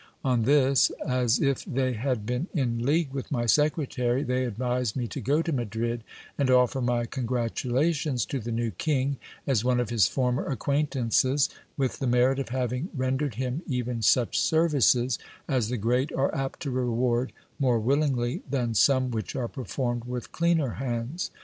On this, as if they had been in league with my secretary, they advised me to go to Madrid and offer my con gratulations to the new king, as one of his former acquaintances, with the merit of having rendered him even such services, as the great are apt to reward more willingly than some which are performed with cleaner hands.